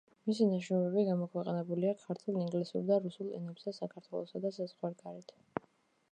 მისი ნაშრომები გამოქვეყნებულია ქართულ, ინგლისურ და რუსულ ენებზე საქართველოსა და საზღვარგარეთ.